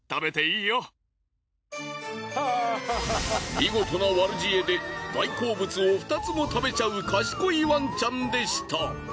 見事な悪知恵で大好物を２つも食べちゃう賢いワンちゃんでした。